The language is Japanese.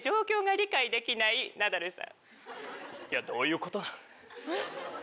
いやどういうことなん？